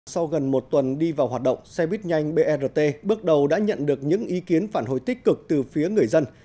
sau gần một tuần đi vào hoạt động xe buýt nhanh brt bước đầu đã nhận được những ý kiến phản hồi tích cực từ phía người dân